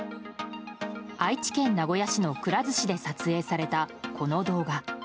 愛知県名古屋市のくら寿司で撮影されたこの動画。